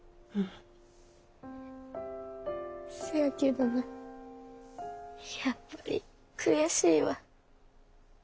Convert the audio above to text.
せやけどなやっぱり悔しいわ。